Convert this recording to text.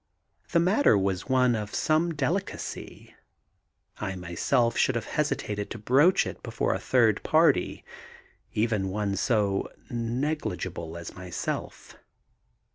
The matter was one of some delicacy. I myself should have hesitated to broach it before a third party, even one so negligible as myself.